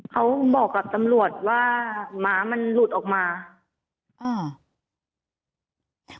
เขาบอกกับตำรวจว่าหมามันหลุดออกมาอ่า